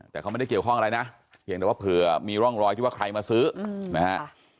แต่เขาไม่ได้เกี่ยวข้องอะไรนะเพียงแต่ว่าเผื่อมีร่องรอยที่ว่าใครมาซื้อนะฮะ